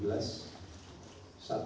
di pemimpinan kpk